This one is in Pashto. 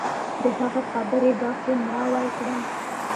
د هغه خبرې داسې مړاوى کړم.